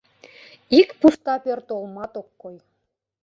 Ик пуста пӧрт олмат ок кой.